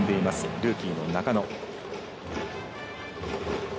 ルーキーの中野。